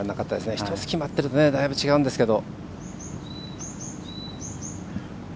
１つ決まっているとだいぶ違うんですけど。